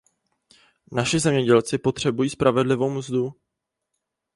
Naši zemědělci potřebují spravedlivou mzdu.